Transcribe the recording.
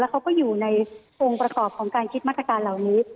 เขาก็อยู่ในองค์ประกอบของการคิดมาตรการเหล่านี้